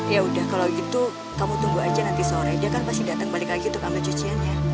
ya udah kalau gitu kamu tunggu aja nanti sore dia kan pasti datang balik lagi untuk ambil cuciannya